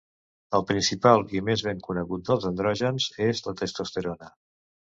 El principal i més ben conegut dels andrògens és la testosterona.